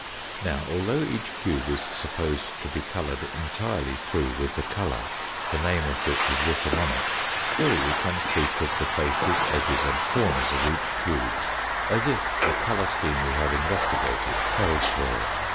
Now, although each cube is supposed to be coloured entirely through with the colour, the name of which is written on it, still we can speak of the faces, edges, and corners of each cube as if the colour scheme we have investigated held for it.